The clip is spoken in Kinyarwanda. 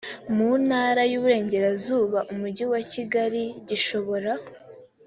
mu ntara y iburengerazuba umujyi wa kigali gishobora